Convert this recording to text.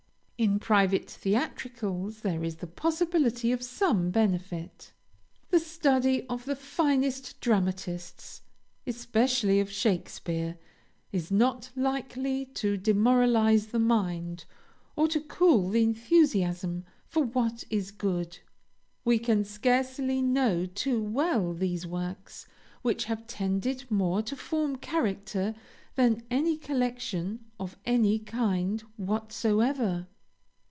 In private theatricals there is the possibility of some benefit. The study of the finest dramatists, especially of Shakespeare, is not likely to demoralize the mind, or to cool the enthusiasm for what is good. We can scarcely know too well those works which have tended more to form character than any collection of any kind whatsoever.